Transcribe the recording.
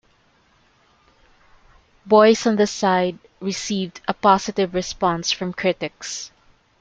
"Boys on the Side" received a positive response from critics.